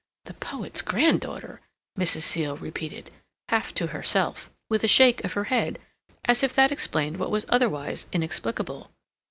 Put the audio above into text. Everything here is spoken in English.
"The poet's granddaughter!" Mrs. Seal repeated, half to herself, with a shake of her head, as if that explained what was otherwise inexplicable.